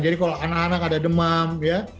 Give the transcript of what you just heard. jadi kalau anak anak ada demam ya